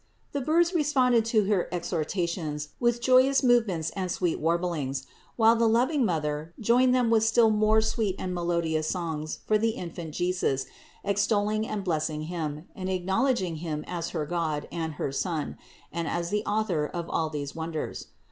The birds responded to her exhorta tions with joyous movements and sweet warblings, while the loving Mother joined them with still more sweet and melodious songs for the Infant Jesus, extolling and bless ing Him, and acknowledging Him as her God and her Son, and as the Author of all these wonders.